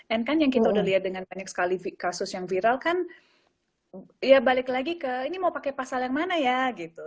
and kan yang kita udah lihat dengan banyak sekali kasus yang viral kan ya balik lagi ke ini mau pakai pasal yang mana ya gitu